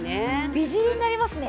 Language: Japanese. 美尻になりますね。